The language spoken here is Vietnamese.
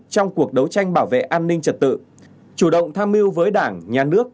trong cuộc đấu tranh bảo vệ an ninh trật tự chủ động tham mưu với đảng nhà nước